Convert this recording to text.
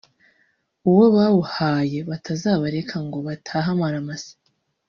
uwo bawuhaye atazabareka ngo batahe amara masa